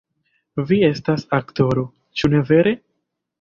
Vi estas aktoro, ĉu ne vere?